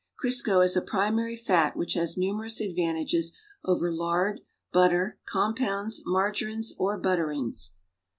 Crisco is a ])rimary fat which has numerous advantages o^•e^ lard, butter, compounds, margarines or l>utterincs.